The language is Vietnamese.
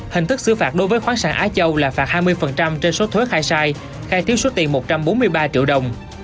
hình thức xử phạt đối với khoáng sản á châu là phạt hai mươi trên số thuế khai sai khai thiếu số tiền một trăm bốn mươi ba triệu đồng